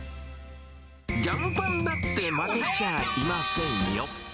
ジャムパンだって負けちゃいませんよ。